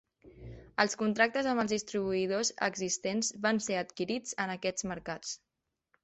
Els contractes amb els distribuïdors existents van ser adquirits en aquests mercats.